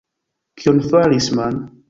Kion faris Man?